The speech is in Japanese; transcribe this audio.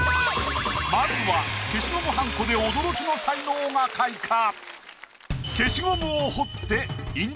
まずは消しゴムはんこで驚きの才能が開花。